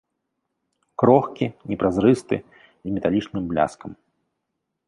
Крохкі, непразрысты, з металічным бляскам.